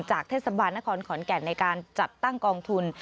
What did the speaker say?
จากเทศบาลนครขอนแก่นในการจัดตั้งกองทุน